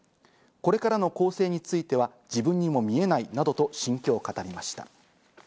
これからの更生については自分にも見えないなどと心境を語りました。